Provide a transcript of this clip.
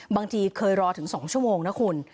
บางทีเคยรอถึง๒ชั่วโมงนะคุณ